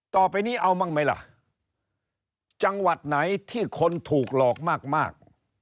ต่อไปนี้เอาบ้างไหมล่ะจังหวัดไหนที่คนถูกหลอกมาก